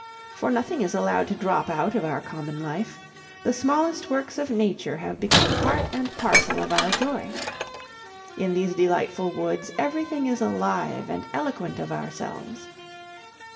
For nothing is allowed to drop out of our common life. The smallest works of nature have become part and parcel of our joy. In these delightful woods everything is alive and eloquent of ourselves.